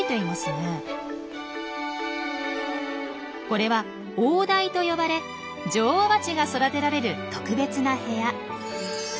これは「王台」と呼ばれ女王バチが育てられる特別な部屋。